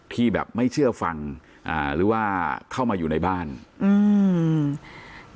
ที่แบบไม่เชื่อฟังอ่าหรือว่าเข้ามาอยู่ในบ้านอืม